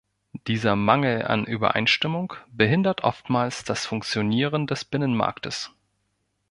Dieser Mangel an Übereinstimmung behindert oftmals das Funktionieren des Binnenmarktes.